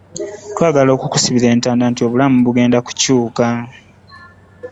Twagala okukusibira entanda nti obulamu bugenda kukyuka